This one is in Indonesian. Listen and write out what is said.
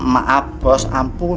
maaf bos ampun